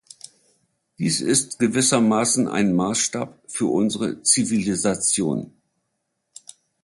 Dies ist gewissermaßen ein Maßstab für unsere Zivilisation.